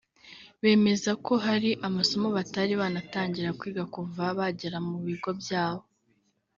bemeza ko hari amasomo batari banatangira kwiga kuva bagera mu bigo byabo